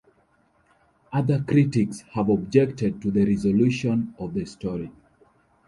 Other critics have objected to the resolution of the story.